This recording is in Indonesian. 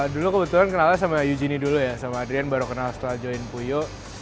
dulu kebetulan kenalnya sama eugenie dulu ya sama adrian baru kenal setelah join puyo